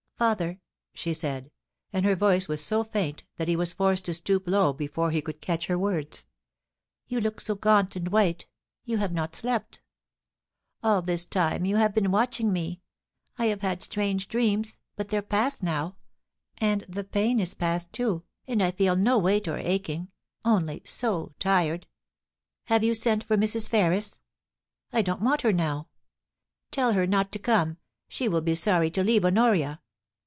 * Father,' she said, and her voice was so faint that he was forced to stoop low before he could catch her words, ' you look so gaunt and white — you have not slept All this time you have been watching me ... I have had strange dreams, but they're past now, and the pain is past too, and I feel no weight or aching — only so tired ... Have you sent for Mrs. Ferris ? I don't want her now. Tell her not to come — she will be sorry to leave Honoria.